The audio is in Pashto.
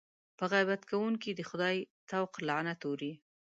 په غیبت کوونکي د خدای طوق لعنت اورېږي.